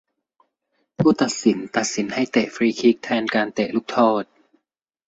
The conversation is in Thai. ผู้ตัดสินตัดสินให้เตะฟรีคิกแทนการเตะลูกโทษ